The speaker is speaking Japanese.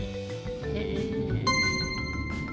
へえ。